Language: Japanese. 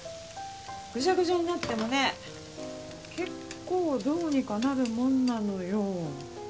ぐちゃぐちゃになってもね結構どうにかなるもんなのよ。